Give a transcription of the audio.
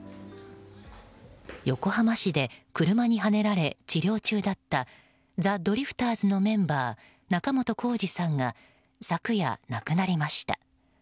横浜市で車にはねられ治療中だったザ・ドリフターズのメンバー仲本工事さんが昨夜、亡くなりました。